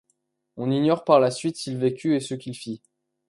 On ignore par la suite s’il vécut et ce qu’il fit.